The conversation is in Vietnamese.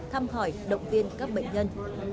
thăm hỏi động viên các bệnh nhân